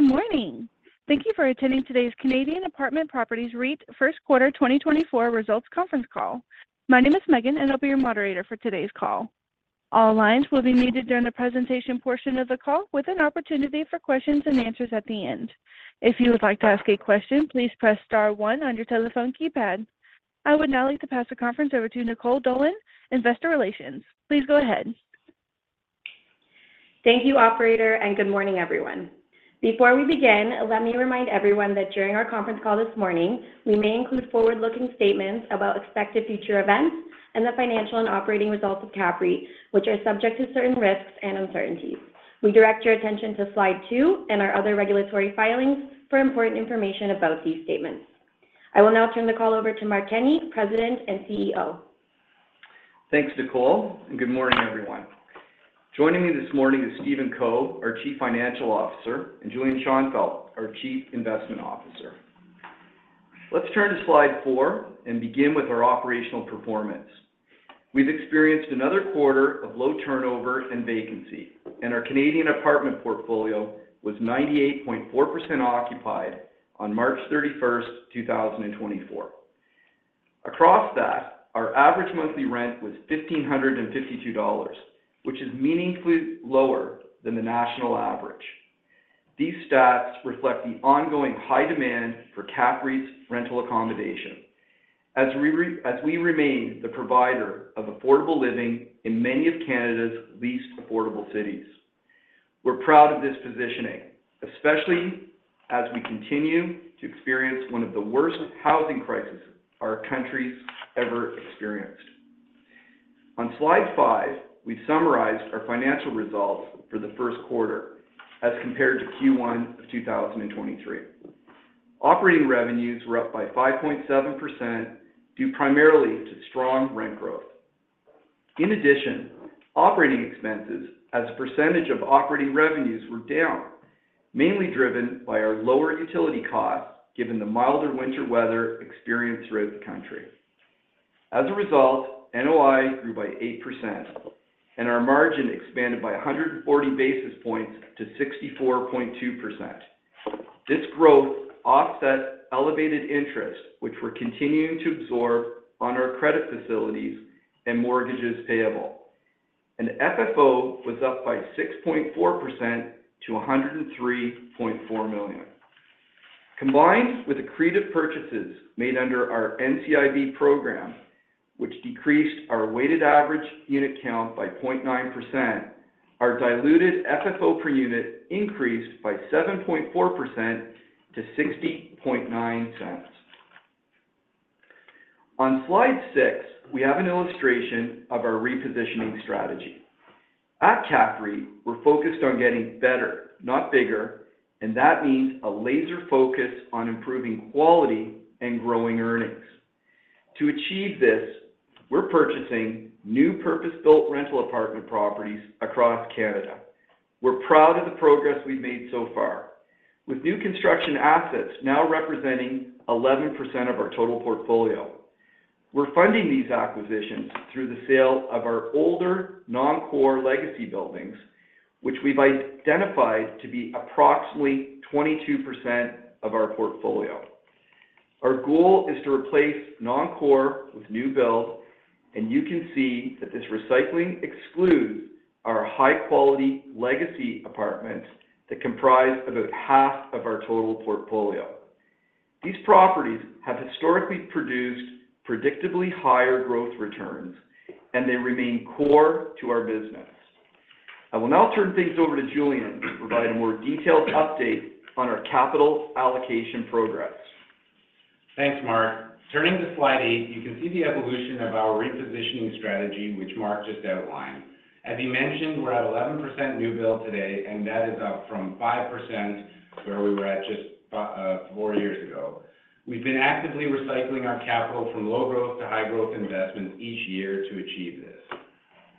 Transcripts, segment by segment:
Good morning. Thank you for attending today's Canadian Apartment Properties REIT First Quarter 2024 Results Conference Call. My name is Megan, and I'll be your moderator for today's call. All lines will be muted during the presentation portion of the call, with an opportunity for questions and answers at the end. If you would like to ask a question, please press star 1 on your telephone keypad. I would now like to pass the conference over to Nicole Dolan, Investor Relations. Please go ahead. Thank you, operator, and good morning, everyone. Before we begin, let me remind everyone that during our conference call this morning, we may include forward-looking statements about expected future events and the financial and operating results of CapREIT, which are subject to certain risks and uncertainties. We direct your attention to slide 2 and our other regulatory filings for important information about these statements. I will now turn the call over to Mark Kenney, President and CEO. Thanks, Nicole, and good morning, everyone. Joining me this morning is Stephen Co, our Chief Financial Officer, and Julian Schonfeldt, our Chief Investment Officer. Let's turn to slide 4 and begin with our operational performance. We've experienced another quarter of low turnover and vacancy, and our Canadian apartment portfolio was 98.4% occupied on March 31st, 2024. Across that, our average monthly rent was 1,552 dollars, which is meaningfully lower than the national average. These stats reflect the ongoing high demand for CapREIT's rental accommodation, as we remain the provider of affordable living in many of Canada's least affordable cities. We're proud of this positioning, especially as we continue to experience one of the worst housing crises our country's ever experienced. On slide 5, we summarized our financial results for the first quarter as compared to Q1 of 2023. Operating revenues were up by 5.7% due primarily to strong rent growth. In addition, operating expenses as a percentage of operating revenues were down, mainly driven by our lower utility costs given the milder winter weather experienced throughout the country. As a result, NOI grew by 8%, and our margin expanded by 140 basis points to 64.2%. This growth offset elevated interest, which we're continuing to absorb on our credit facilities and mortgages payable, and FFO was up by 6.4% to 103.4 million. Combined with accretive purchases made under our NCIB program, which decreased our weighted average unit count by 0.9%, our diluted FFO per unit increased by 7.4% to 0.609. On slide 6, we have an illustration of our repositioning strategy. At CapREIT, we're focused on getting better, not bigger, and that means a laser focus on improving quality and growing earnings. To achieve this, we're purchasing new purpose-built rental apartment properties across Canada. We're proud of the progress we've made so far, with new construction assets now representing 11% of our total portfolio. We're funding these acquisitions through the sale of our older non-core legacy buildings, which we've identified to be approximately 22% of our portfolio. Our goal is to replace non-core with new-build, and you can see that this recycling excludes our high-quality legacy apartments that comprise about half of our total portfolio. These properties have historically produced predictably higher growth returns, and they remain core to our business. I will now turn things over to Julian to provide a more detailed update on our capital allocation progress. Thanks, Mark. Turning to slide 8, you can see the evolution of our repositioning strategy, which Mark just outlined. As he mentioned, we're at 11% new-build today, and that is up from 5% where we were at just four years ago. We've been actively recycling our capital from low-growth to high-growth investments each year to achieve this.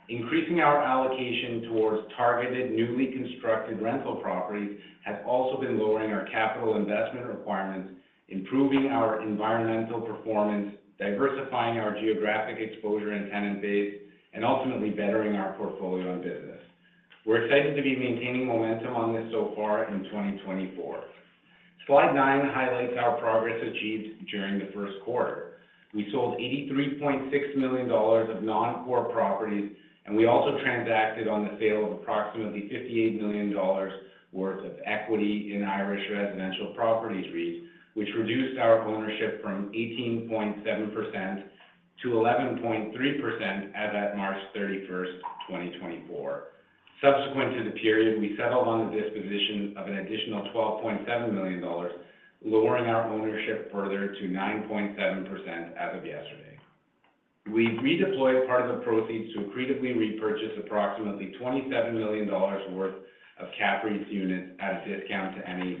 Increasing our allocation towards targeted newly constructed rental properties has also been lowering our capital investment requirements, improving our environmental performance, diversifying our geographic exposure and tenant base, and ultimately bettering our portfolio and business. We're excited to be maintaining momentum on this so far in 2024. Slide 9 highlights our progress achieved during the first quarter. We sold 83.6 million dollars of non-core properties, and we also transacted on the sale of approximately 58 million dollars worth of equity in Irish Residential Properties REIT, which reduced our ownership from 18.7%-11.3% as of March 31st, 2024. Subsequent to the period, we settled on the disposition of an additional 12.7 million dollars, lowering our ownership further to 9.7% as of yesterday. We've redeployed part of the proceeds to accretively repurchase approximately 27 million dollars worth of CapREIT's units at a discount to NAV.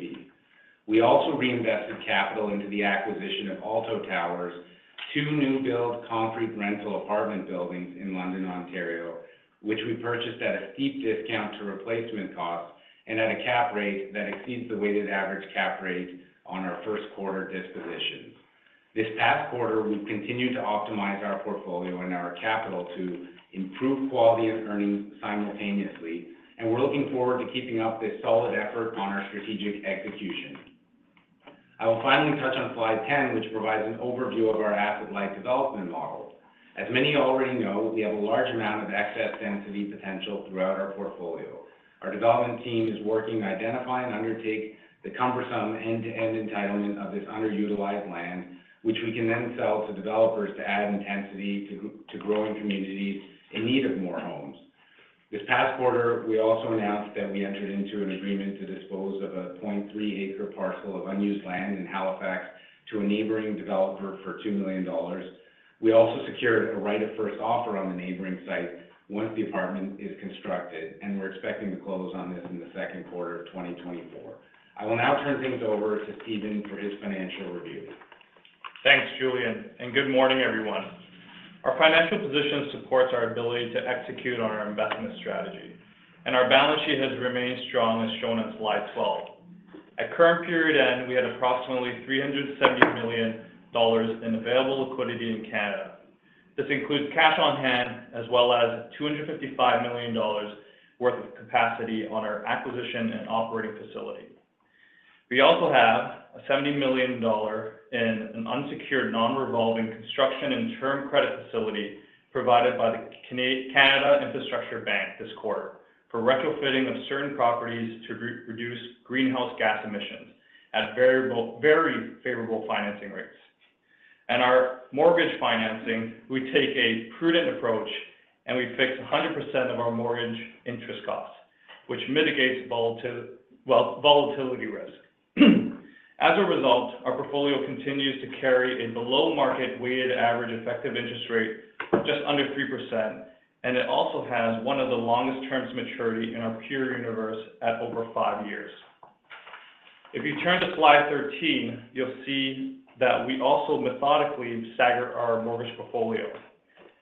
We also reinvested capital into the acquisition of Alto Towers, two new-build concrete rental apartment buildings in London, Ontario, which we purchased at a steep discount to replacement costs and at a cap rate that exceeds the weighted average cap rate on our first quarter dispositions. This past quarter, we've continued to optimize our portfolio and our capital to improve quality and earnings simultaneously, and we're looking forward to keeping up this solid effort on our strategic execution. I will finally touch on slide 10, which provides an overview of our asset-like development model. As many already know, we have a large amount of excess density potential throughout our portfolio. Our development team is working to identify and undertake the cumbersome end-to-end entitlement of this underutilized land, which we can then sell to developers to add intensity to growing communities in need of more homes. This past quarter, we also announced that we entered into an agreement to dispose of a 0.3-acre parcel of unused land in Halifax to a neighboring developer for 2 million dollars. We also secured a right-of-first offer on the neighboring site once the apartment is constructed, and we're expecting to close on this in the second quarter of 2024. I will now turn things over to Stephen for his financial review. Thanks, Julian, and good morning, everyone. Our financial position supports our ability to execute on our investment strategy, and our balance sheet has remained strong, as shown on slide 12. At current period end, we had approximately 370 million dollars in available liquidity in Canada. This includes cash on hand as well as 255 million dollars worth of capacity on our acquisition and operating facility. We also have a 70 million dollar in an unsecured non-revolving construction and term credit facility provided by the Canada Infrastructure Bank this quarter for retrofitting of certain properties to reduce greenhouse gas emissions at very favorable financing rates. And our mortgage financing, we take a prudent approach, and we fix 100% of our mortgage interest costs, which mitigates volatility risk. As a result, our portfolio continues to carry a below-market weighted average effective interest rate of just under 3%, and it also has one of the longest-term maturity in our peer universe at over 5 years. If you turn to slide 13, you'll see that we also methodically stagger our mortgage portfolio.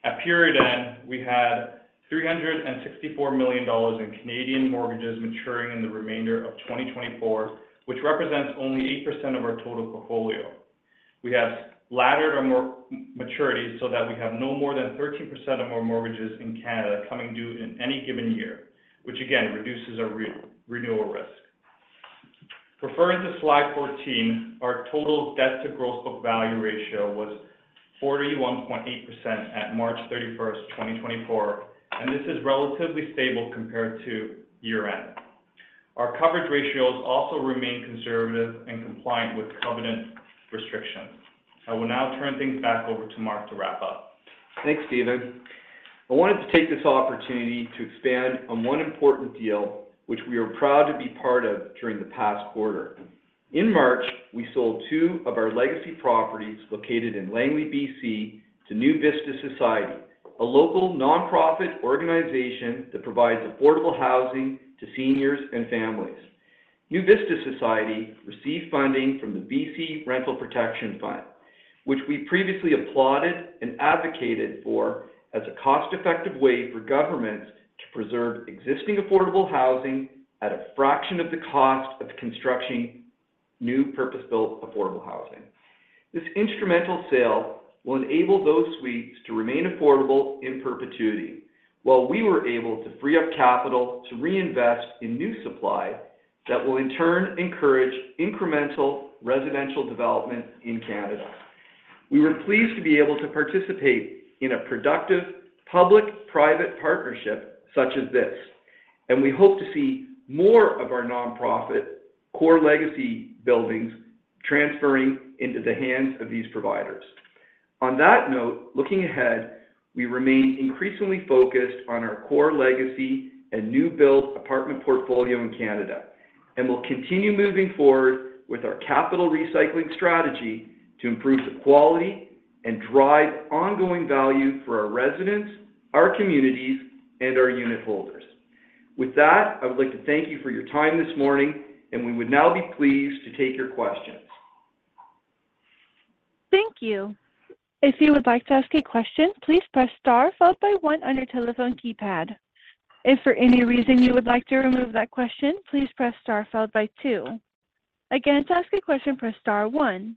At period end, we had 364 million dollars in Canadian mortgages maturing in the remainder of 2024, which represents only 8% of our total portfolio. We have laddered our maturity so that we have no more than 13% of our mortgages in Canada coming due in any given year, which again reduces our renewal risk. Referring to slide 14, our total debt-to-gross book value ratio was 41.8% at March 31st, 2024, and this is relatively stable compared to year-end. Our coverage ratios also remain conservative and compliant with covenant restrictions. I will now turn things back over to Mark to wrap up. Thanks, Stephen. I wanted to take this opportunity to expand on one important deal, which we were proud to be part of during the past quarter. In March, we sold two of our legacy properties located in Langley, BC, to New Vista Society, a local nonprofit organization that provides affordable housing to seniors and families. New Vista Society received funding from the BC Rental Protection Fund, which we previously applauded and advocated for as a cost-effective way for governments to preserve existing affordable housing at a fraction of the cost of constructing new purpose-built affordable housing. This instrumental sale will enable those suites to remain affordable in perpetuity, while we were able to free up capital to reinvest in new supply that will in turn encourage incremental residential development in Canada. We were pleased to be able to participate in a productive public-private partnership such as this, and we hope to see more of our nonprofit core legacy buildings transferring into the hands of these providers. On that note, looking ahead, we remain increasingly focused on our core legacy and new-built apartment portfolio in Canada, and we'll continue moving forward with our capital recycling strategy to improve the quality and drive ongoing value for our residents, our communities, and our unit holders. With that, I would like to thank you for your time this morning, and we would now be pleased to take your questions. Thank you. If you would like to ask a question, please press star followed by 1 on your telephone keypad. If for any reason you would like to remove that question, please press star followed by 2. Again, to ask a question, press star 1.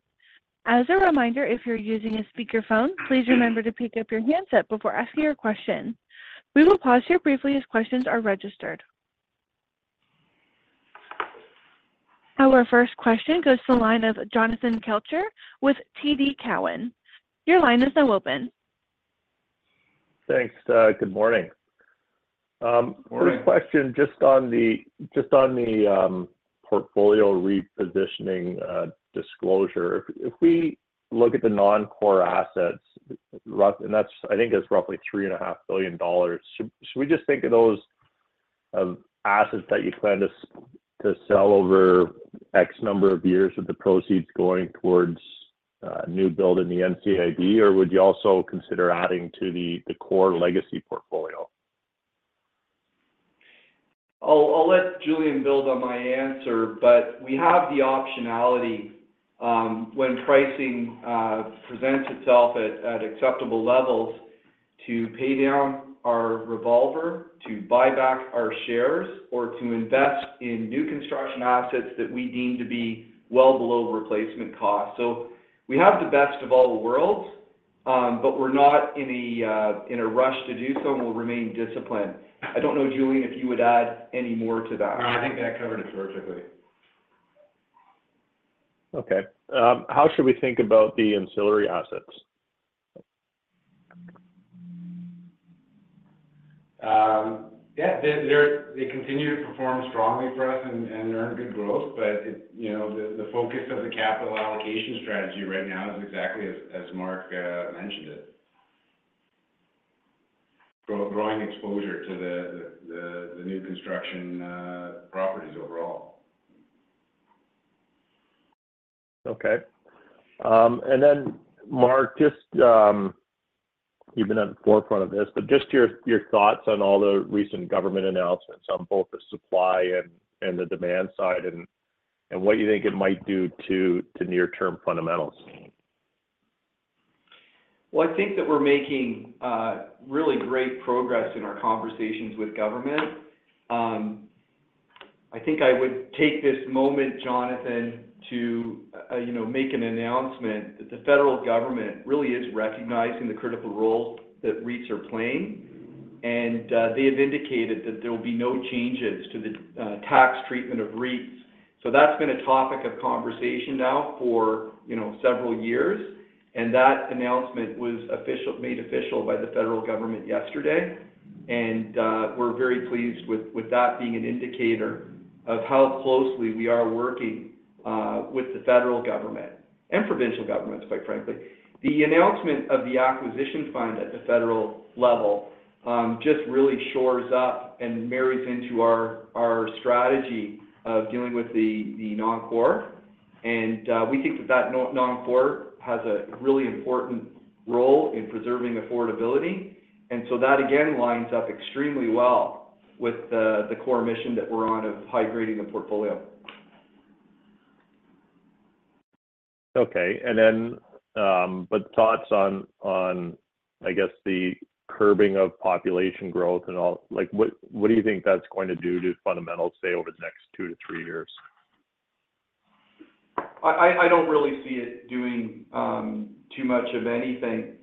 As a reminder, if you're using a speakerphone, please remember to pick up your handset before asking your question. We will pause here briefly as questions are registered. Our first question goes to the line of Jonathan Kelcher with TD Cowen. Your line is now open. Thanks. Good morning. First question, just on the portfolio repositioning disclosure. If we look at the non-core assets, and I think that's roughly 3.5 billion dollars, should we just think of those as assets that you plan to sell over X number of years with the proceeds going towards new-build in the NCIB, or would you also consider adding to the core legacy portfolio? I'll let Julian build on my answer, but we have the optionality when pricing presents itself at acceptable levels to pay down our revolver, to buy back our shares, or to invest in new construction assets that we deem to be well below replacement costs. So we have the best of all worlds, but we're not in a rush to do so, and we'll remain disciplined. I don't know, Julian, if you would add any more to that. No, I think that covered it perfectly. Okay. How should we think about the ancillary assets? Yeah, they continue to perform strongly for us and earn good growth, but the focus of the capital allocation strategy right now is exactly as Mark mentioned it: growing exposure to the new construction properties overall. Okay. And then, Mark, you've been at the forefront of this, but just your thoughts on all the recent government announcements on both the supply and the demand side and what you think it might do to near-term fundamentals? Well, I think that we're making really great progress in our conversations with government. I think I would take this moment, Jonathan, to make an announcement that the federal government really is recognizing the critical roles that REITs are playing, and they have indicated that there will be no changes to the tax treatment of REITs. So that's been a topic of conversation now for several years, and that announcement was made official by the federal government yesterday, and we're very pleased with that being an indicator of how closely we are working with the federal government and provincial governments, quite frankly. The announcement of the acquisition fund at the federal level just really shores up and marries into our strategy of dealing with the non-core, and we think that that non-core has a really important role in preserving affordability. That, again, lines up extremely well with the core mission that we're on of high-grading the portfolio. Okay. Thoughts on, I guess, the curbing of population growth and all? What do you think that's going to do to fundamentals, say, over the next 2-3 years? I don't really see it doing too much of anything.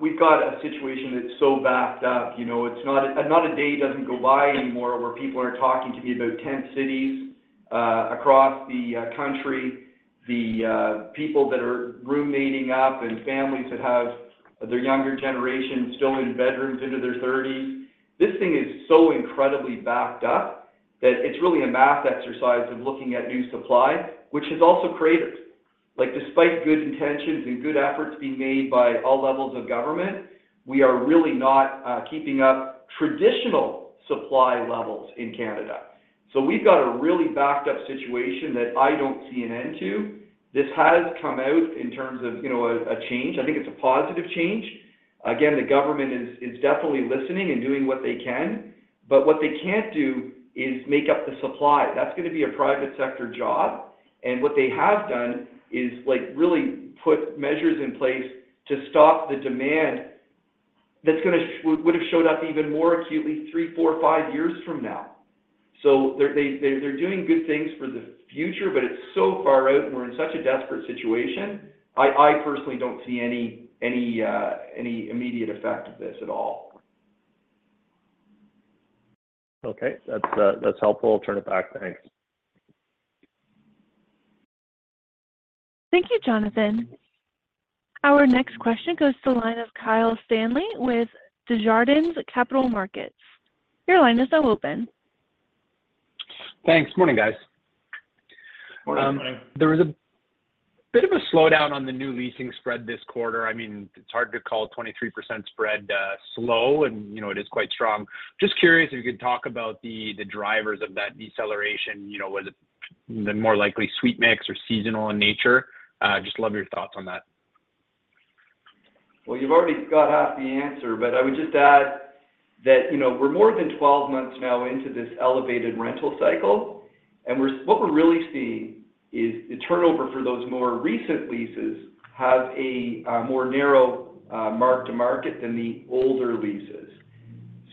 We've got a situation that's so backed up. Not a day doesn't go by anymore where people aren't talking to me about 10 cities across the country, the people that are roommating up, and families that have their younger generation still in bedrooms into their 30s. This thing is so incredibly backed up that it's really a math exercise of looking at new supply, which has also cratered. Despite good intentions and good efforts being made by all levels of government, we are really not keeping up traditional supply levels in Canada. So we've got a really backed up situation that I don't see an end to. This has come out in terms of a change. I think it's a positive change. Again, the government is definitely listening and doing what they can, but what they can't do is make up the supply. That's going to be a private sector job, and what they have done is really put measures in place to stop the demand that would have showed up even more acutely 3, 4, 5 years from now. So they're doing good things for the future, but it's so far out, and we're in such a desperate situation, I personally don't see any immediate effect of this at all. Okay. That's helpful. I'll turn it back. Thanks. Thank you, Jonathan. Our next question goes to the line of Kyle Stanley with Desjardins Capital Markets. Your line is now open. Thanks. Morning, guys. Morning. There was a bit of a slowdown on the new leasing spread this quarter. I mean, it's hard to call a 23% spread slow, and it is quite strong. Just curious if you could talk about the drivers of that deceleration. Was it the more likely suite mix or seasonal in nature? Just love your thoughts on that. Well, you've already got half the answer, but I would just add that we're more than 12 months now into this elevated rental cycle, and what we're really seeing is the turnover for those more recent leases have a more narrow mark-to-market than the older leases.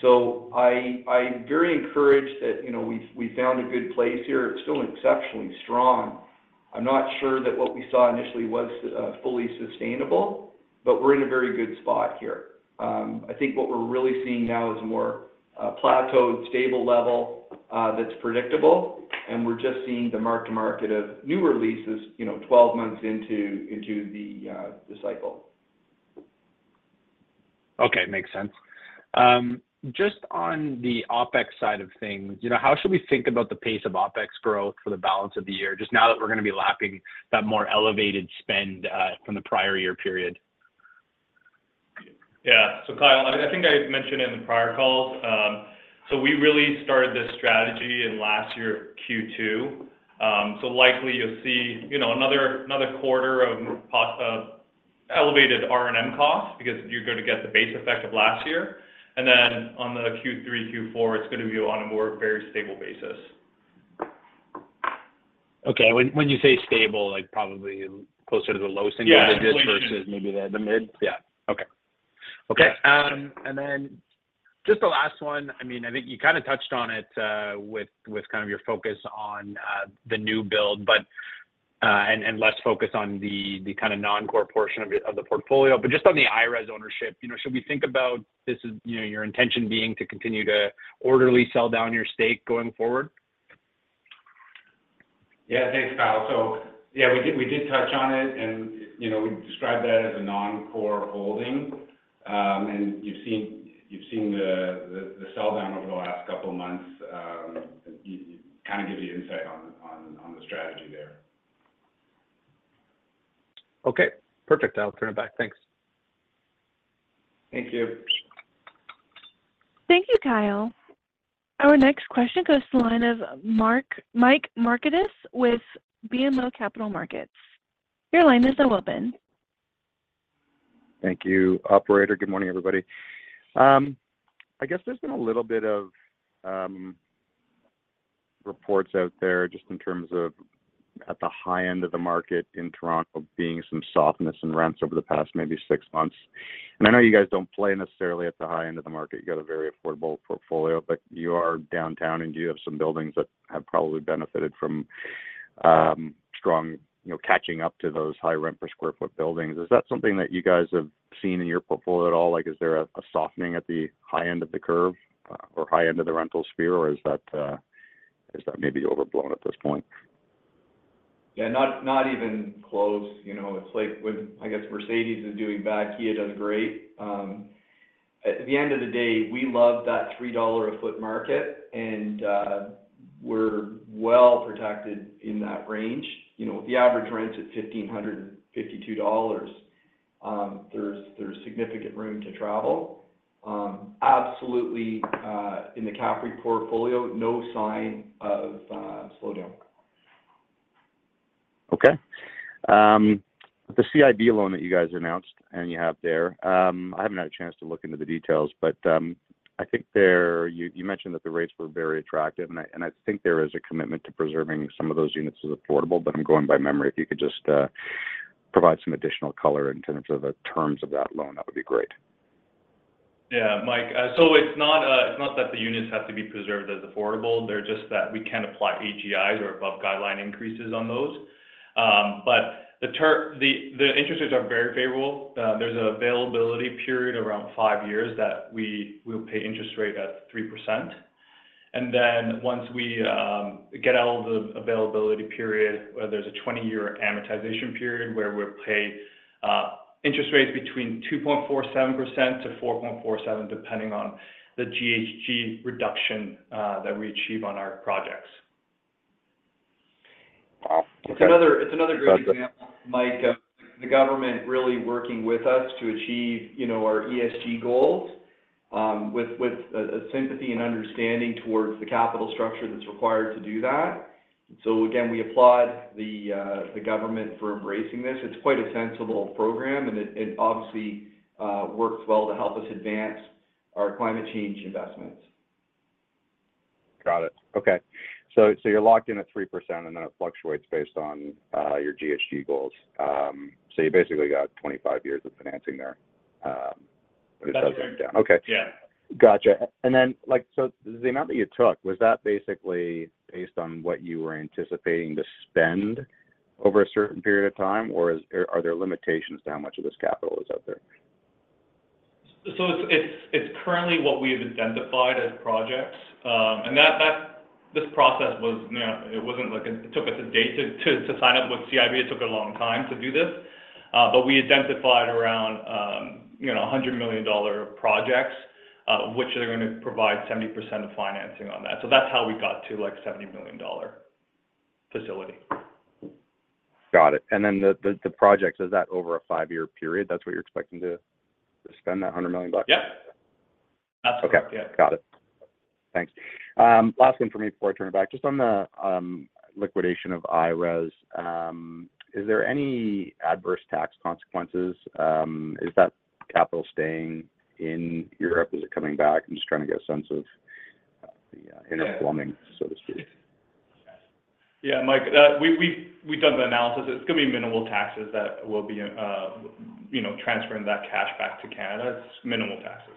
So I'm very encouraged that we found a good place here. It's still exceptionally strong. I'm not sure that what we saw initially was fully sustainable, but we're in a very good spot here. I think what we're really seeing now is a more plateaued, stable level that's predictable, and we're just seeing the mark-to-market of newer leases 12 months into the cycle. Okay. Makes sense. Just on the OpEx side of things, how should we think about the pace of OpEx growth for the balance of the year, just now that we're going to be lapping that more elevated spend from the prior year period? Yeah. So, Kyle, I think I mentioned in the prior calls. So we really started this strategy in last year of Q2. So likely, you'll see another quarter of elevated R&M costs because you're going to get the base effect of last year. And then on the Q3, Q4, it's going to be on a more very stable basis. Okay. When you say stable, probably closer to the low single digits versus maybe the mid? Yes. Yeah. Okay. Okay. And then just the last one. I mean, I think you kind of touched on it with kind of your focus on the new build and less focus on the kind of non-core portion of the portfolio. But just on the IRES ownership, should we think about this as your intention being to continue to orderly sell down your stake going forward? Yeah. Thanks, Kyle. So, yeah, we did touch on it, and we described that as a non-core holding, and you've seen the sell down over the last couple of months. It kind of gives you insight on the strategy there. Okay. Perfect, Kyle. I'll turn it back. Thanks. Thank you. Thank you, Kyle. Our next question goes to the line of Mike Markidis with BMO Capital Markets. Your line is now open. Thank you, operator. Good morning, everybody. I guess there's been a little bit of reports out there just in terms of at the high end of the market in Toronto being some softness in rents over the past maybe six months. And I know you guys don't play necessarily at the high end of the market. You got a very affordable portfolio, but you are downtown, and you have some buildings that have probably benefited from strong catching up to those high rent per square foot buildings. Is that something that you guys have seen in your portfolio at all? Is there a softening at the high end of the curve or high end of the rental sphere, or is that maybe overblown at this point? Yeah, not even close. It's like when I guess Mercedes is doing bad, Kia does great. At the end of the day, we love that 3 dollar a foot market, and we're well protected in that range. With the average rents at 1,552 dollars, there's significant room to travel. Absolutely, in the Capri portfolio, no sign of slowdown. Okay. The CIB loan that you guys announced and you have there, I haven't had a chance to look into the details, but I think you mentioned that the rates were very attractive, and I think there is a commitment to preserving some of those units as affordable. But I'm going by memory. If you could just provide some additional color in terms of the terms of that loan, that would be great. Yeah, Mike. So it's not that the units have to be preserved as affordable. They're just that we can't apply AGIs or above-guideline increases on those. But the interest rates are very favorable. There's an availability period around 5 years that we will pay interest rate at 3%. And then once we get out of the availability period, there's a 20-year amortization period where we'll pay interest rates between 2.47%-4.47% depending on the GHG reduction that we achieve on our projects. Wow. Okay. It's another great example, Mike, of the government really working with us to achieve our ESG goals with sympathy and understanding towards the capital structure that's required to do that. And so, again, we applaud the government for embracing this. It's quite a sensible program, and it obviously works well to help us advance our climate change investments. Got it. Okay. So you're locked in at 3%, and then it fluctuates based on your GHG goals. So you basically got 25 years of financing there, but it does break down. Okay. Gotcha. And then so the amount that you took, was that basically based on what you were anticipating to spend over a certain period of time, or are there limitations to how much of this capital is out there? It's currently what we have identified as projects. This process was, it took us a day to sign up with CIB. It took a long time to do this. We identified around 100 million dollar projects, of which they're going to provide 70% of financing on that. That's how we got to a 70 million dollar facility. Got it. And then the projects, is that over a five-year period? That's what you're expecting to spend, 100 million bucks? Yep. That's correct. Yeah. Okay. Got it. Thanks. Last one for me before I turn it back. Just on the liquidation of IRES, is there any adverse tax consequences? Is that capital staying in Europe? Is it coming back? I'm just trying to get a sense of the interplay, so to speak. Yeah, Mike, we've done the analysis. It's going to be minimal taxes that will be transferring that cash back to Canada. It's minimal taxes.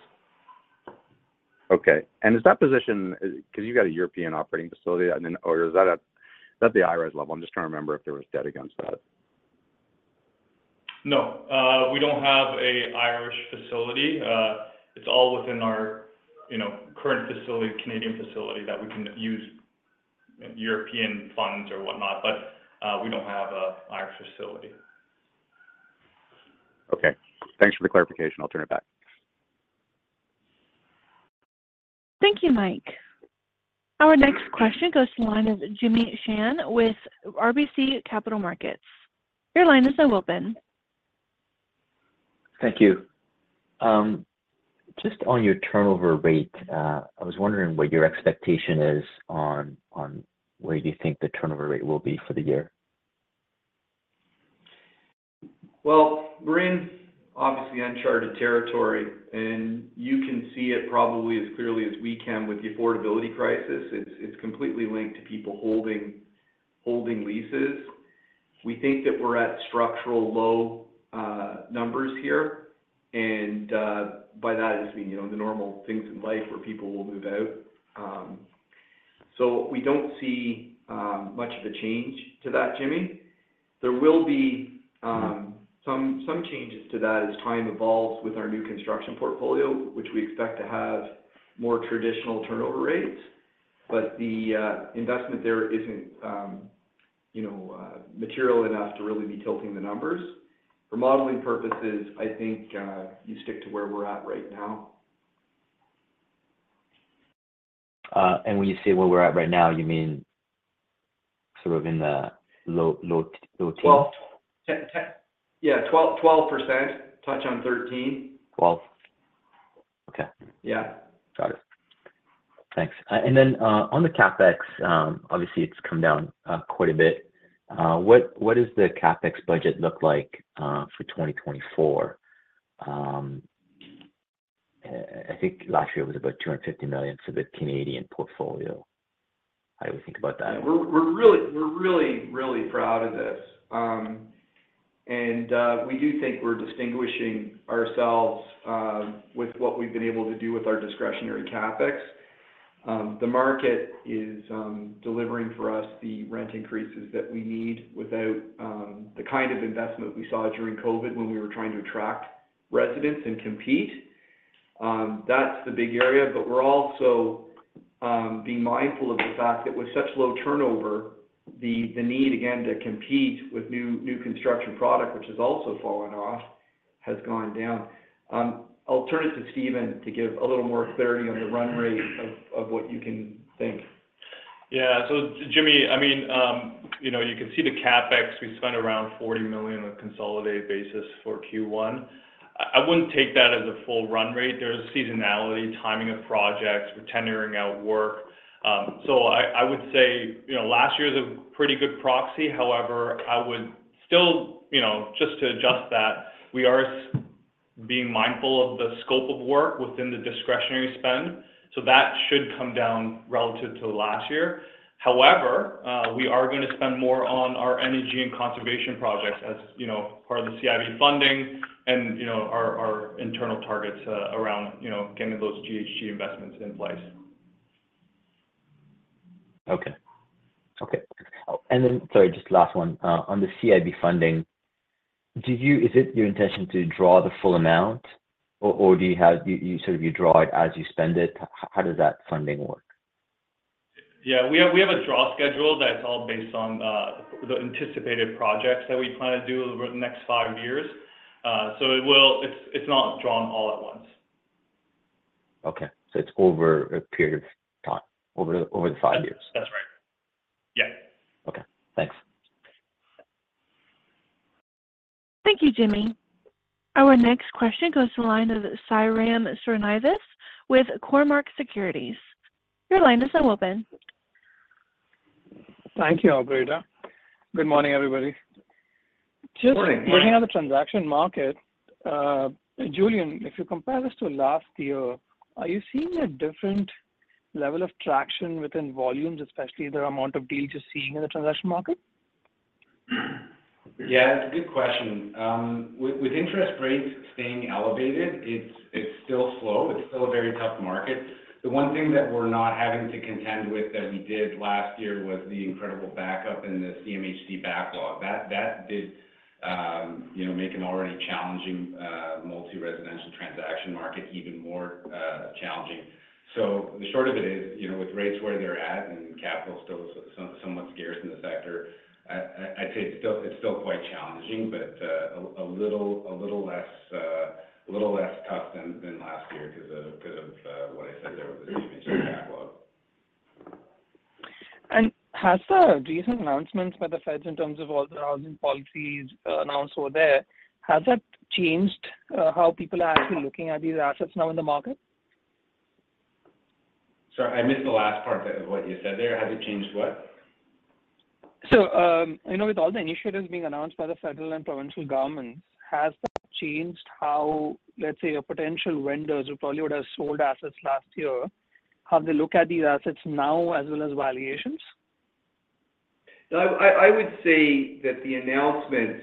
Okay. And is that position because you've got a European operating facility, or is that at the IRES level? I'm just trying to remember if there was debt against that. No. We don't have an Irish facility. It's all within our current facility, Canadian facility, that we can use European funds or whatnot. But we don't have an Irish facility. Okay. Thanks for the clarification. I'll turn it back. Thank you, Mike. Our next question goes to the line of Jimmy Shan with RBC Capital Markets. Your line is now open. Thank you. Just on your turnover rate, I was wondering what your expectation is on where you think the turnover rate will be for the year. Well, we're in obviously uncharted territory, and you can see it probably as clearly as we can with the affordability crisis. It's completely linked to people holding leases. We think that we're at structural low numbers here. And by that, I just mean the normal things in life where people will move out. So we don't see much of a change to that, Jimmy. There will be some changes to that as time evolves with our new construction portfolio, which we expect to have more traditional turnover rates. But the investment there isn't material enough to really be tilting the numbers. For modeling purposes, I think you stick to where we're at right now. When you say where we're at right now, you mean sort of in the low teens? Well, yeah, 12%, touch on 13%. Okay. Got it. Thanks. And then on the CapEx, obviously, it's come down quite a bit. What does the CapEx budget look like for 2024? I think last year it was about 250 million for the Canadian portfolio. How do we think about that? Yeah. We're really, really proud of this. We do think we're distinguishing ourselves with what we've been able to do with our discretionary CapEx. The market is delivering for us the rent increases that we need without the kind of investment we saw during COVID when we were trying to attract residents and compete. That's the big area. But we're also being mindful of the fact that with such low turnover, the need, again, to compete with new construction product, which has also fallen off, has gone down. I'll turn it to Steven to give a little more clarity on the run rate of what you can think. Yeah. So, Jimmy, I mean, you can see the CapEx. We spent around 40 million on a consolidated basis for Q1. I wouldn't take that as a full run rate. There's seasonality, timing of projects. We're tendering out work. So I would say last year is a pretty good proxy. However, I would still just to adjust that, we are being mindful of the scope of work within the discretionary spend. So that should come down relative to last year. However, we are going to spend more on our energy and conservation projects as part of the CIB funding and our internal targets around getting those GHG investments in place. Okay. Okay. And then sorry, just last one. On the CIB funding, is it your intention to draw the full amount, or do you sort of draw it as you spend it? How does that funding work? Yeah. We have a draw schedule that's all based on the anticipated projects that we plan to do over the next five years. It's not drawn all at once. Okay. It's over a period of time, over the five years? That's right. Yeah. Okay. Thanks. Thank you, Jimmy. Our next question goes to the line of Sairam Srinivas with Cormark Securities. Your line is now open. Thank you, Operator. Good morning, everybody. Looking at the transaction market, Julian, if you compare this to last year, are you seeing a different level of traction within volumes, especially the amount of deals you're seeing in the transaction market? Yeah. It's a good question. With interest rates staying elevated, it's still slow. It's still a very tough market. The one thing that we're not having to contend with that we did last year was the incredible backup in the CMHC backlog. That did make an already challenging multi-residential transaction market even more challenging. So the short of it is, with rates where they're at and capital still somewhat scarce in the sector, I'd say it's still quite challenging, but a little less tough than last year because of what I said there with the CMHC backlog. Has the recent announcements by the Feds in terms of all the housing policies announced over there, has that changed how people are actually looking at these assets now in the market? Sorry, I missed the last part of what you said there. Has it changed what? With all the initiatives being announced by the federal and provincial governments, has that changed how, let's say, your potential vendors who probably would have sold assets last year, how they look at these assets now as well as valuations? No, I would say that the announcements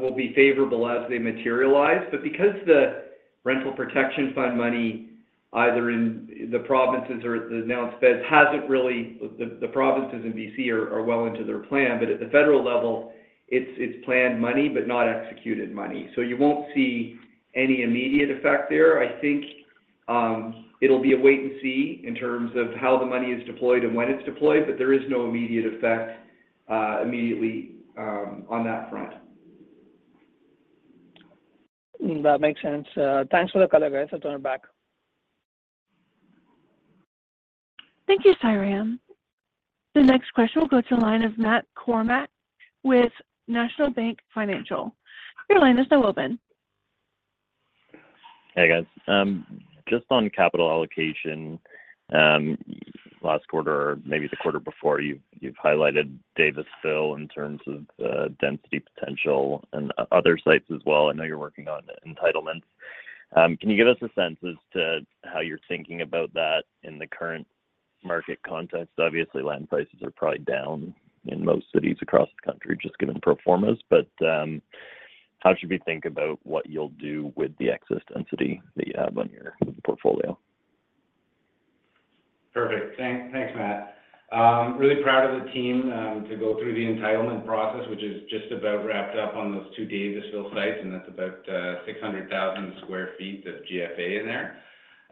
will be favorable as they materialize. But because the rental protection fund money, either in the provinces or at the announced Feds, hasn't really. The provinces in BC are well into their plan. But at the federal level, it's planned money but not executed money. So you won't see any immediate effect there. I think it'll be a wait and see in terms of how the money is deployed and when it's deployed, but there is no immediate effect immediately on that front. That makes sense. Thanks for the call, guys. I'll turn it back. Thank you, Sairam. The next question will go to the line of Matt Kornack with National Bank Financial. Your line is now open. Hey, guys. Just on capital allocation, last quarter or maybe the quarter before, you've highlighted Davisville in terms of density potential and other sites as well. I know you're working on entitlements. Can you give us a sense as to how you're thinking about that in the current market context? Obviously, land prices are probably down in most cities across the country just given performance. But how should we think about what you'll do with the excess density that you have on your portfolio? Perfect. Thanks, Matt. Really proud of the team to go through the entitlement process, which is just about wrapped up on those two Davisville sites, and that's about 600,000 sq ft of GFA in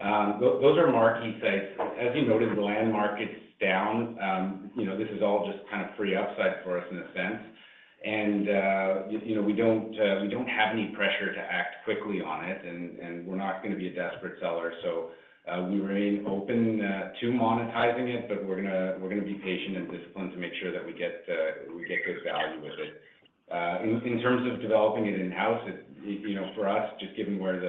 there. Those are marquee sites. As you noted, the land market's down. This is all just kind of free upside for us in a sense. And we don't have any pressure to act quickly on it, and we're not going to be a desperate seller. So we remain open to monetizing it, but we're going to be patient and disciplined to make sure that we get good value with it. In terms of developing it in-house, for us, just given where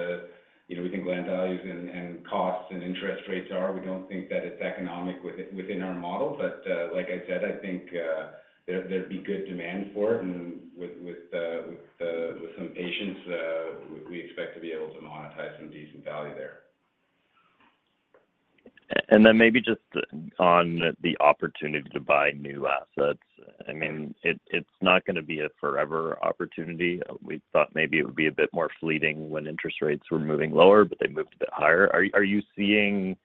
we think land values and costs and interest rates are, we don't think that it's economic within our model. But like I said, I think there'd be good demand for it. With some patience, we expect to be able to monetize some decent value there. And then maybe just on the opportunity to buy new assets. I mean, it's not going to be a forever opportunity. We thought maybe it would be a bit more fleeting when interest rates were moving lower, but they moved a bit higher. Are you seeing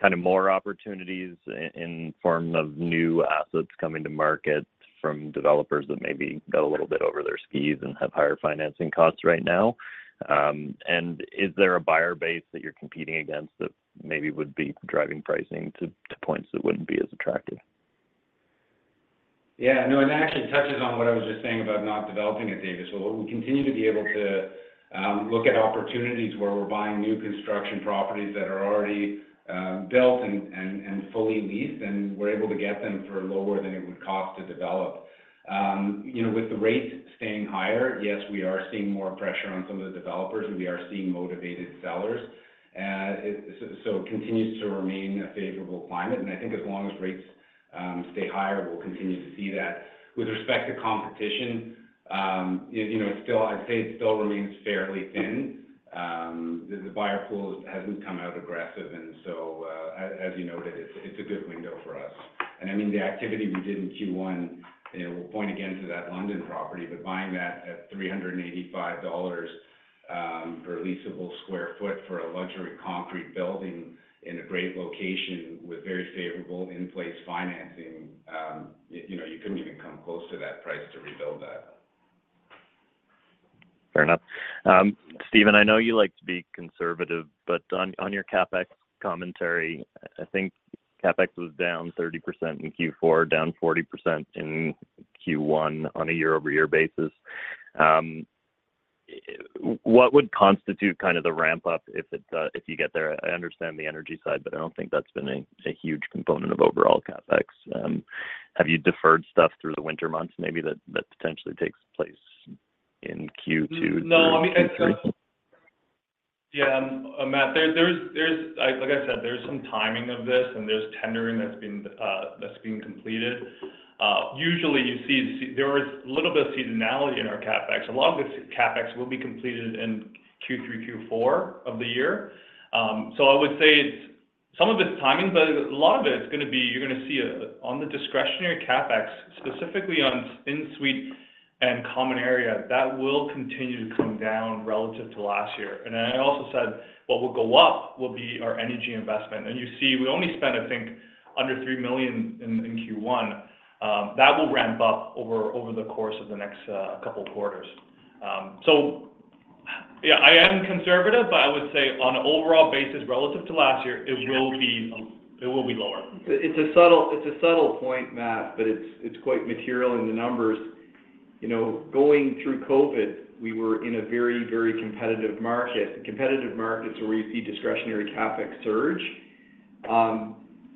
kind of more opportunities in the form of new assets coming to market from developers that maybe got a little bit over their skis and have higher financing costs right now? And is there a buyer base that you're competing against that maybe would be driving pricing to points that wouldn't be as attractive? Yeah. No, and that actually touches on what I was just saying about not developing at Davisville. We continue to be able to look at opportunities where we're buying new construction properties that are already built and fully leased, and we're able to get them for lower than it would cost to develop. With the rates staying higher, yes, we are seeing more pressure on some of the developers, and we are seeing motivated sellers. So it continues to remain a favorable climate. And I think as long as rates stay higher, we'll continue to see that. With respect to competition, I'd say it still remains fairly thin. The buyer pool hasn't come out aggressive. And so, as you noted, it's a good window for us. I mean, the activity we did in Q1, we'll point again to that London property, but buying that at 385 dollars per leasable sq ft for a luxury concrete building in a great location with very favorable in-place financing, you couldn't even come close to that price to rebuild that. Fair enough. Steven, I know you like to be conservative, but on your CapEx commentary, I think CapEx was down 30% in Q4, down 40% in Q1 on a year-over-year basis. What would constitute kind of the ramp-up if you get there? I understand the energy side, but I don't think that's been a huge component of overall CapEx. Have you deferred stuff through the winter months maybe that potentially takes place in Q2 to Q3? No. I mean, yeah, Matt, like I said, there's some timing of this, and there's tendering that's been completed. Usually, you see there was a little bit of seasonality in our CapEx. A lot of this CapEx will be completed in Q3, Q4 of the year. So I would say some of it's timing, but a lot of it, it's going to be you're going to see on the discretionary CapEx, specifically on in-suite and common area, that will continue to come down relative to last year. And I also said what will go up will be our energy investment. And you see we only spent, I think, under 3 million in Q1. That will ramp up over the course of the next couple of quarters. So yeah, I am conservative, but I would say on an overall basis relative to last year, it will be lower. It's a subtle point, Matt, but it's quite material in the numbers. Going through COVID, we were in a very, very competitive market. Competitive markets are where you see discretionary CapEx surge.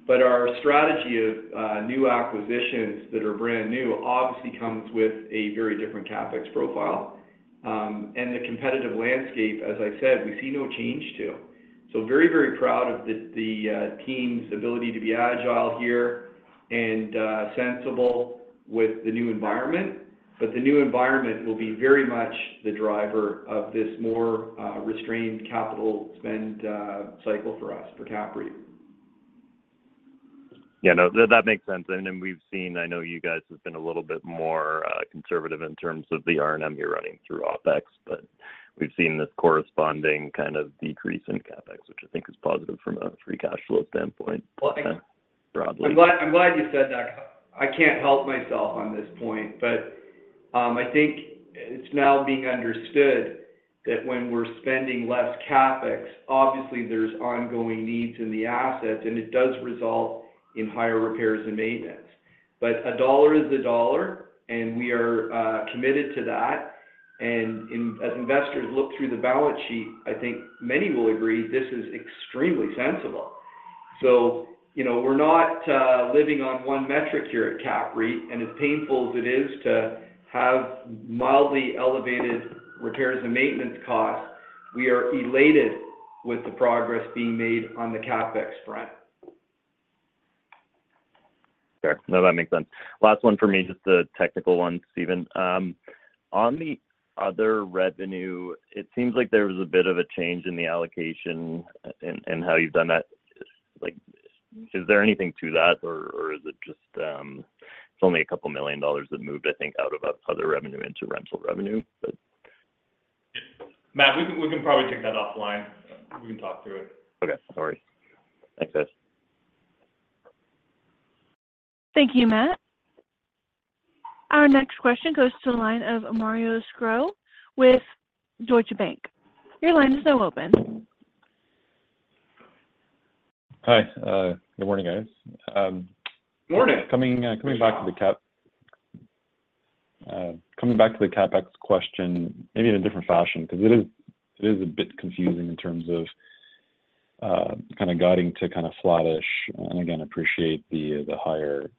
But our strategy of new acquisitions that are brand new obviously comes with a very different CapEx profile. The competitive landscape, as I said, we see no change to. So very, very proud of the team's ability to be agile here and sensible with the new environment. But the new environment will be very much the driver of this more restrained capital spend cycle for us, for CapREIT. Yeah. No, that makes sense. And we've seen, I know, you guys have been a little bit more conservative in terms of the R&M you're running through OpEx, but we've seen this corresponding kind of decrease in CapEx, which I think is positive from a free cash flow standpoint broadly. I'm glad you said that. I can't help myself on this point. But I think it's now being understood that when we're spending less CapEx, obviously, there's ongoing needs in the assets, and it does result in higher repairs and maintenance. But a dollar is a dollar, and we are committed to that. And as investors look through the balance sheet, I think many will agree this is extremely sensible. So we're not living on one metric here at CapREIT. And as painful as it is to have mildly elevated repairs and maintenance costs, we are elated with the progress being made on the CapEx front. Okay. No, that makes sense. Last one for me, just the technical one, Steven. On the other revenue, it seems like there was a bit of a change in the allocation and how you've done that. Is there anything to that, or is it just it's only a couple of million dollars that moved, I think, out of other revenue into rental revenue, but? Matt, we can probably take that offline. We can talk through it. Okay. No worries. Thanks, guys. Thank you, Matt. Our next question goes to the line of Mario Saric with Scotiabank. Your line is now open. Hi. Good morning, guys. Morning. Coming back to the CapEx question, maybe in a different fashion because it is a bit confusing in terms of kind of guiding to kind of flattish. And again, I appreciate the higher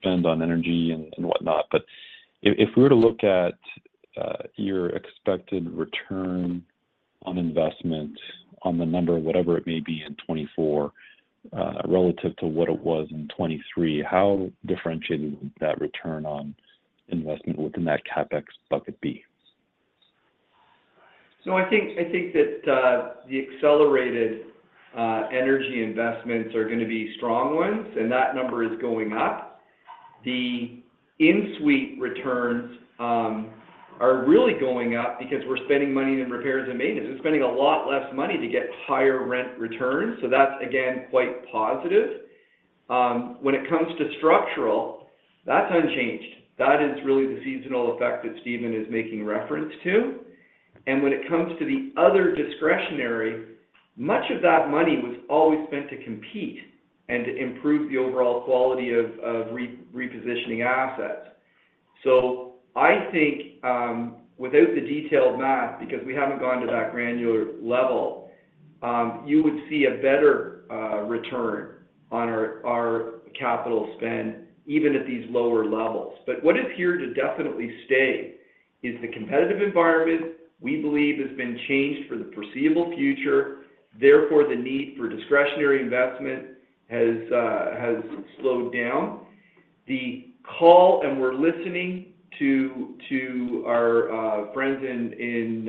spend on energy and whatnot. But if we were to look at your expected return on investment on the number, whatever it may be in 2024, relative to what it was in 2023, how differentiated would that return on investment within that CapEx bucket be? So I think that the accelerated energy investments are going to be strong ones, and that number is going up. The en-suite returns are really going up because we're spending money in repairs and maintenance. We're spending a lot less money to get higher rent returns. So that's, again, quite positive. When it comes to structural, that's unchanged. That is really the seasonal effect that Steven is making reference to. And when it comes to the other discretionary, much of that money was always spent to compete and to improve the overall quality of repositioning assets. So I think without the detailed math, because we haven't gone to that granular level, you would see a better return on our capital spend even at these lower levels. But what is here to definitely stay is the competitive environment, we believe, has been changed for the foreseeable future. Therefore, the need for discretionary investment has slowed down. The call, and we're listening to our friends in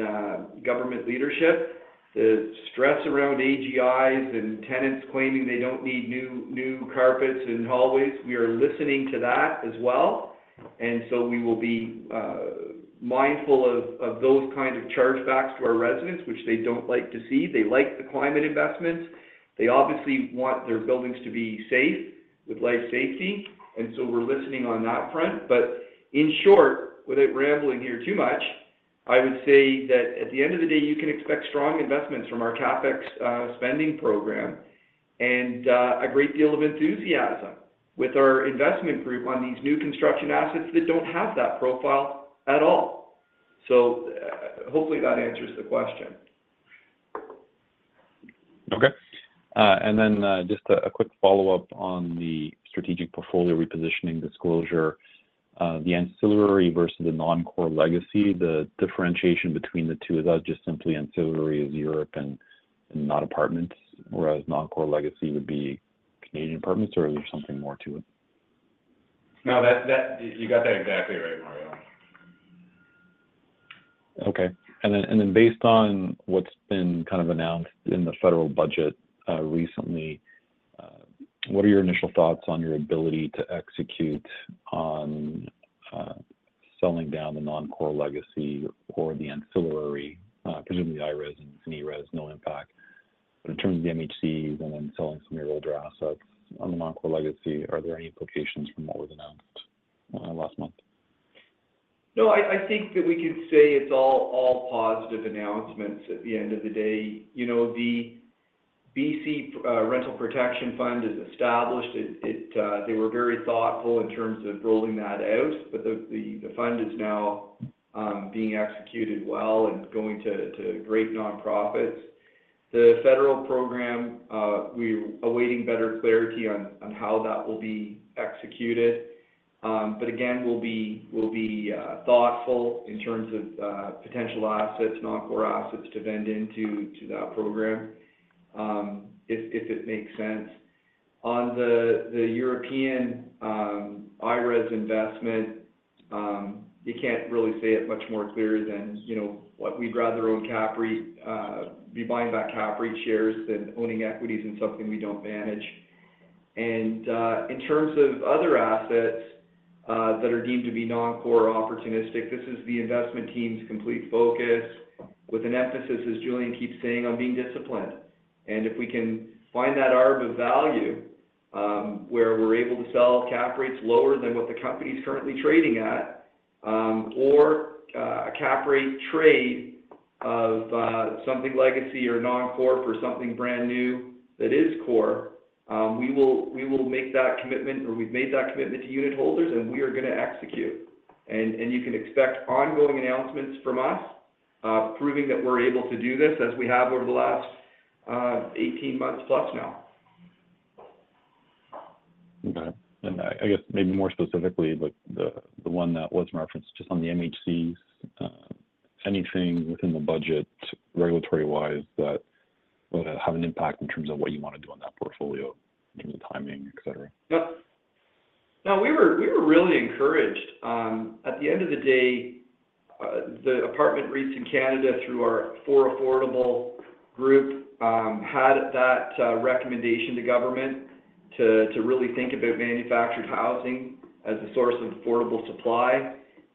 government leadership, the stress around AGIs and tenants claiming they don't need new carpets and hallways. We are listening to that as well. And so we will be mindful of those kinds of chargebacks to our residents, which they don't like to see. They like the climate investments. They obviously want their buildings to be safe with life safety. And so we're listening on that front. But in short, without rambling here too much, I would say that at the end of the day, you can expect strong investments from our CapEx spending program and a great deal of enthusiasm with our investment group on these new construction assets that don't have that profile at all. So hopefully, that answers the question. Okay. And then just a quick follow-up on the strategic portfolio repositioning disclosure, the ancillary versus the non-core legacy, the differentiation between the two is that just simply ancillary is Europe and not apartments, whereas non-core legacy would be Canadian apartments, or is there something more to it? No, you got that exactly right, Mario. Okay. And then based on what's been kind of announced in the federal budget recently, what are your initial thoughts on your ability to execute on selling down the non-core legacy or the ancillary, presumably IRES and ERES, no impact, but in terms of the MHCs and then selling some of your older assets on the non-core legacy? Are there any implications from what was announced last month? No, I think that we could say it's all positive announcements at the end of the day. The BC Rental Protection Fund is established. They were very thoughtful in terms of rolling that out, but the fund is now being executed well and going to great nonprofits. The federal program, we're awaiting better clarity on how that will be executed. But again, we'll be thoughtful in terms of potential assets, non-core assets to vend into that program if it makes sense. On the European IRES investment, you can't really say it much more clear than what we'd rather own CapREIT, be buying back CapREIT shares than owning equities in something we don't manage. And in terms of other assets that are deemed to be non-core opportunistic, this is the investment team's complete focus with an emphasis, as Julian keeps saying, on being disciplined. If we can find that arm of value where we're able to sell cap rates lower than what the company's currently trading at or a cap rate trade of something legacy or non-core for something brand new that is core, we will make that commitment or we've made that commitment to unit holders, and we are going to execute. You can expect ongoing announcements from us proving that we're able to do this as we have over the last 18+ months now. Okay. And I guess maybe more specifically, the one that was referenced just on the MHCs, anything within the budget regulatory-wise that would have an impact in terms of what you want to do on that portfolio in terms of timing, etc.? No, we were really encouraged. At the end of the day, the Apartment REITs in Canada through our For Affordable group had that recommendation to government to really think about manufactured housing as a source of affordable supply.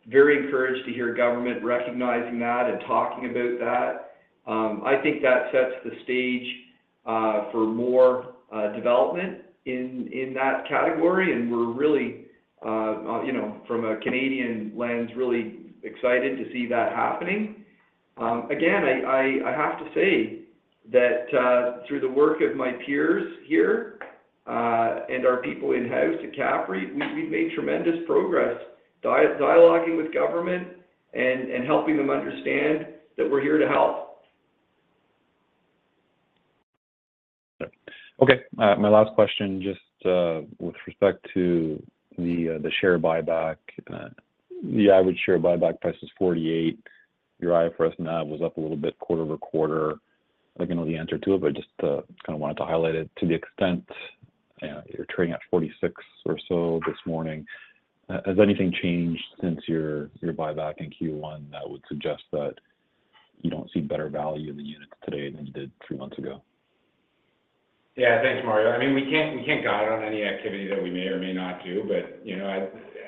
Very encouraged to hear government recognizing that and talking about that. I think that sets the stage for more development in that category. And we're really, from a Canadian lens, really excited to see that happening. Again, I have to say that through the work of my peers here and our people in-house at CapREIT, we've made tremendous progress dialoguing with government and helping them understand that we're here to help. Okay. My last question, just with respect to the share buyback, the average share buyback price is 48. Your IFRS NAV was up a little bit quarter-over-quarter. I don't know the answer to it, but I just kind of wanted to highlight it. To the extent you're trading at 46 or so this morning, has anything changed since your buyback in Q1 that would suggest that you don't see better value in the units today than you did three months ago? Yeah. Thanks, Mario. I mean, we can't guide on any activity that we may or may not do. But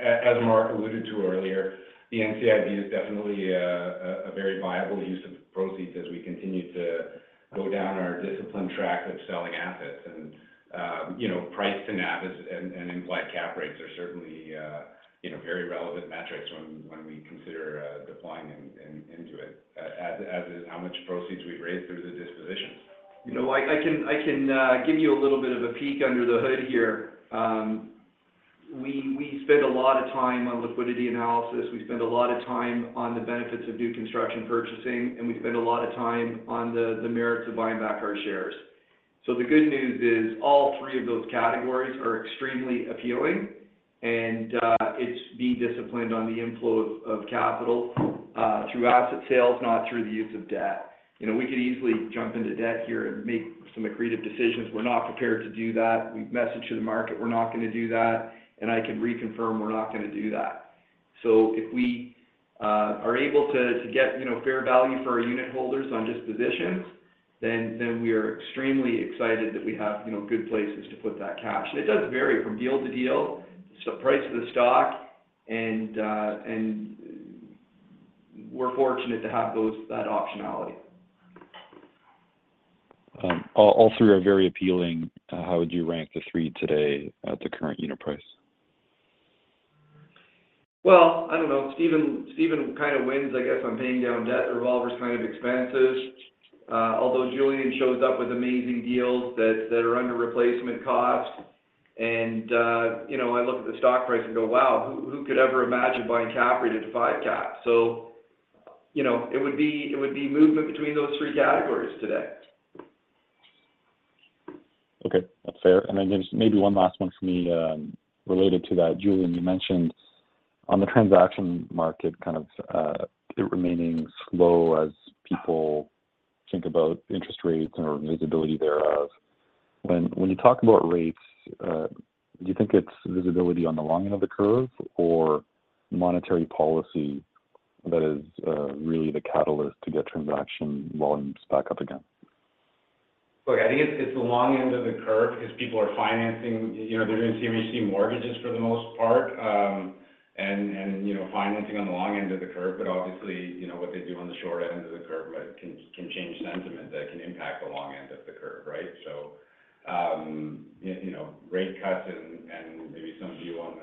as Mark alluded to earlier, the NCIB is definitely a very viable use of proceeds as we continue to go down our discipline track of selling assets. And price to NAV and implied cap rates are certainly very relevant metrics when we consider deploying into it, as is how much proceeds we've raised through the dispositions. I can give you a little bit of a peek under the hood here. We spend a lot of time on liquidity analysis. We spend a lot of time on the benefits of new construction purchasing. We spend a lot of time on the merits of buying back our shares. The good news is all three of those categories are extremely appealing. It's being disciplined on the inflow of capital through asset sales, not through the use of debt. We could easily jump into debt here and make some accretive decisions. We're not prepared to do that. We've messaged to the market, "We're not going to do that." I can reconfirm, "We're not going to do that." If we are able to get fair value for our unit holders on dispositions, then we are extremely excited that we have good places to put that cash. It does vary from deal to deal, price to the stock. We're fortunate to have that optionality. All three are very appealing. How would you rank the three today at the current unit price? Well, I don't know. Steven kind of wins, I guess, on paying down debt, the revolver's kind of expensive. Although Julian shows up with amazing deals that are under replacement cost. And I look at the stock price and go, "Wow, who could ever imagine buying CapREIT at a 5 cap?" So it would be movement between those three categories today. Okay. That's fair. And then just maybe one last one for me related to that. Julian, you mentioned on the transaction market, kind of it remaining slow as people think about interest rates or visibility thereof. When you talk about rates, do you think it's visibility on the long end of the curve or monetary policy that is really the catalyst to get transaction volumes back up again? Look, I think it's the long end of the curve because people are financing they're doing CMHC mortgages for the most part and financing on the long end of the curve. But obviously, what they do on the short end of the curve can change sentiment that can impact the long end of the curve, right? So rate cuts and maybe some view on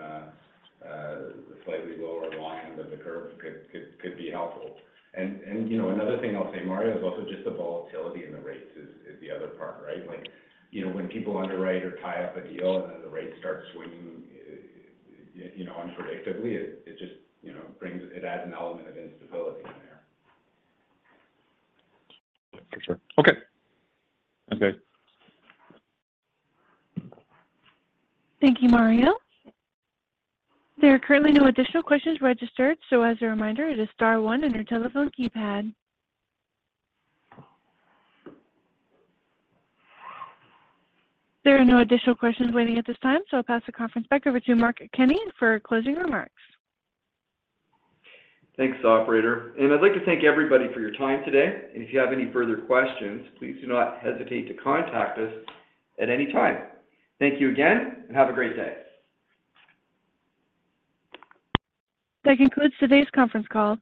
the slightly lower long end of the curve could be helpful. And another thing I'll say, Mario, is also just the volatility in the rates is the other part, right? When people underwrite or tie up a deal and then the rate starts swinging unpredictably, it just brings it adds an element of instability in there. Yeah, for sure. Okay. Okay. Thank you, Mario. There are currently no additional questions registered. As a reminder, it is star one on your telephone keypad. There are no additional questions waiting at this time. I'll pass the conference back over to Mark Kenney for closing remarks. Thanks, operator. I'd like to thank everybody for your time today. If you have any further questions, please do not hesitate to contact us at any time. Thank you again, and have a great day. That concludes today's conference call.